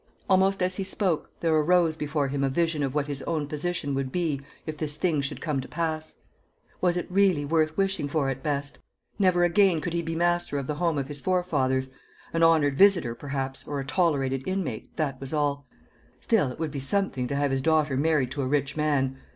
Almost as he spoke, there arose before him a vision of what his own position would be if this thing should come to pass. Was it really worth wishing for at best? Never again could he be master of the home of his forefathers. An honoured visitor perhaps, or a tolerated inmate that was all. Still, it would be something to have his daughter married to a rich man.